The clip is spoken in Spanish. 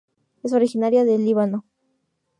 Es originaria de Líbano.